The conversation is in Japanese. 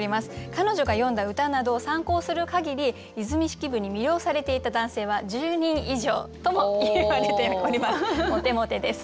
彼女が詠んだ歌などを参考するかぎり和泉式部に魅了されていた男性は１０人以上ともいわれております。